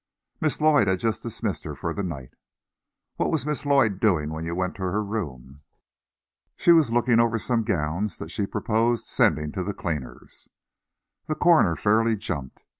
"Miss Lloyd had just dismissed her for the night." "What was Miss Lloyd doing when you went to her room?" "She was looking over some gowns that she proposed sending to the cleaner's." The coroner fairly jumped.